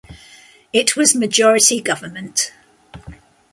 It was Majority government.